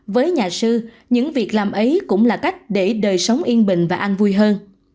với nhà sư những việc làm ấy cũng là cách để đời sống yên bình và an vui hơn